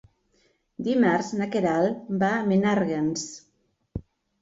Dimarts na Queralt va a Menàrguens.